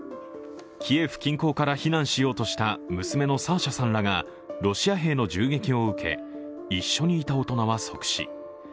キエフ近郊から避難しようとした娘のサーシャさんらがロシア兵の銃撃を受け一緒にいた大人は即死。